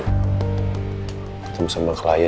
ketemu sama klien